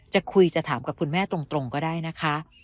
จะคุยจะถามกับคุณแม่ตรงก็ได้นะคะ